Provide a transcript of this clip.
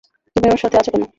তুমি আমার সাথে আছ কেন?